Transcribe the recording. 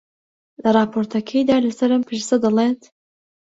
لە ڕاپۆرتەکەیدا لەسەر ئەم پرسە دەڵێت: